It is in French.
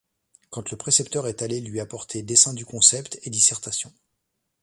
Quand le précepteur est allé lui apporter dessin du concept et dissertation.